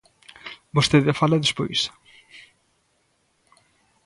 Vostede fala despois.